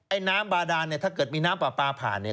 น้ำบาดานเนี่ยถ้าเกิดมีน้ำปลาปลาผ่านเนี่ย